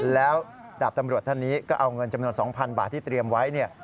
แล้วดาบตำรวจท่านนี้ก็เอาเงินจำนวน๒๐๐บาทที่เตรียมไว้